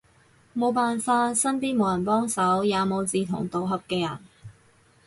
無辦法，身邊無人幫手，也無志同道合嘅人